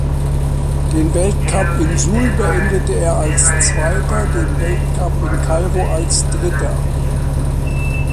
Den Weltcup in Suhl beendete er als Zweiter, den Weltcup in Kairo als Dritter.